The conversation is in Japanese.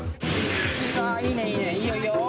いいね、いいね、いいよ、いいよ。